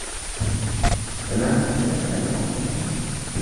Danach hatte er keine Aufgabe mehr.